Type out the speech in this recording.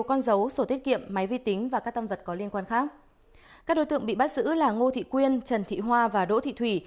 các đối tượng bị bắt giữ là ngô thị quyên trần thị hoa và đỗ thị thủy